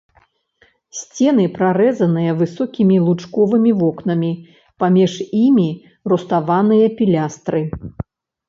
Сцены прарэзаныя высокімі лучковымі вокнамі, паміж імі руставаныя пілястры.